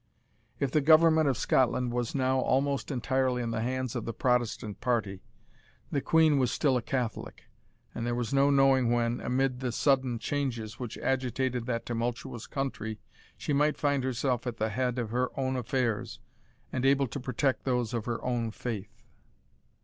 If the government of Scotland was now almost entirely in the hands of the Protestant party, the Queen was still a Catholic, and there was no knowing when, amid the sudden changes which agitated that tumultuous country, she might find herself at the head of her own affairs, and able to protect those of her own faith.